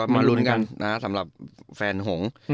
มาลุ้นกันสำหรับแฟนหง